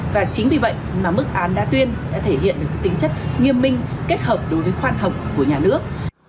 và chính vì vậy mà mức án đa tuyên đã thể hiện được tính chất nghiêm minh kết hợp đối với khoan hồng của nhà nước